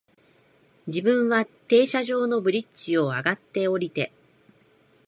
自分は停車場のブリッジを、上って、降りて、